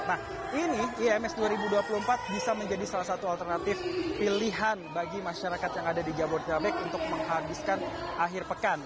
nah ini ims dua ribu dua puluh empat bisa menjadi salah satu alternatif pilihan bagi masyarakat yang ada di jabodetabek untuk menghabiskan akhir pekan